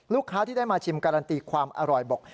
ลูกค้าที่ได้มาชิมการันตีความอร่อยบอก